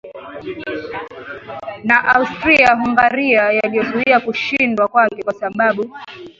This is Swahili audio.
na Austria Hungaria yaliyozuia kushindwa kwake kwa sababu